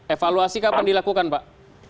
evaluasi kapan dilakukan pak